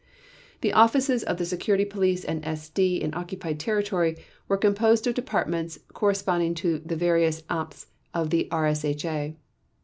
The offices of the Security Police and SD in occupied territory were composed of departments corresponding to the various Amts of the RSHA.